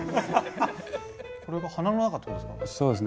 これが鼻の中ってことですか？